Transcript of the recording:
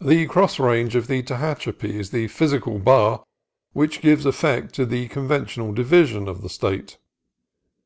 The cross range of the Tehachapi is the physical bar which gives effect to the conventional division of the State.